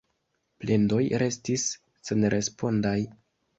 Plendoj restis senrespondaj.